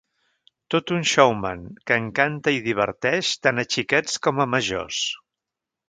Tot un ‘showman’ que encanta i diverteix tant a xiquets com a majors.